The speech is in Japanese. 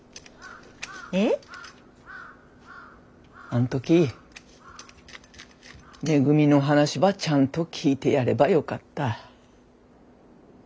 あん時めぐみの話ばちゃんと聞いてやればよかった。